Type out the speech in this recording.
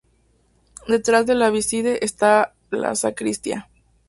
Detrás del ábside esta la sacristía.